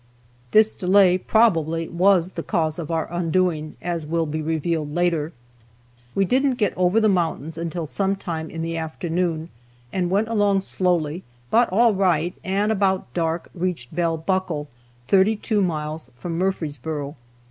This delay probably was the cause of our undoing, as will be revealed later. We didn't get over the mountains until some time in the afternoon, and went along slowly, but all right; and about dark reached Bell Buckle, 32 miles from Murfreesboro.